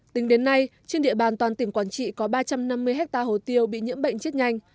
tính đến nay trên địa bàn toàn tỉnh quảng trị có ba trăm năm mươi hectare hồ tiêu bị nhiễm bệnh chết nhanh